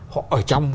họ ở trong